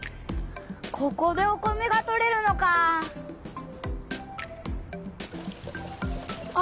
ここでお米がとれるのかあ！